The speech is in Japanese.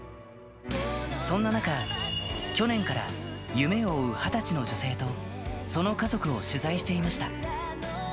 そんな中、去年から夢を追う２０歳の女性と、その家族を取材していました。